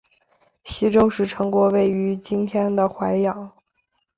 西周时陈国位于今天的淮阳。